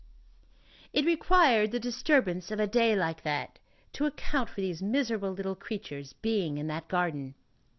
It required the disturbance of a day like that to account for these miserable little creatures being in that garden.